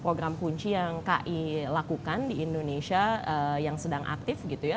program kunci yang ki lakukan di indonesia yang sedang aktif gitu ya